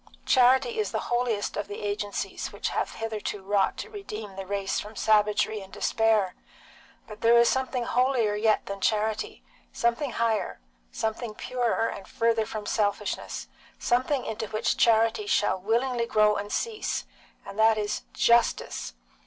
Charity is the holiest of the agencies which have hitherto wrought to redeem the race from savagery and despair; but there is something holier yet than charity, something higher, something purer and further from selfishness, something into which charity shall willingly grow and cease, and that is justice.